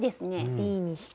Ｂにして。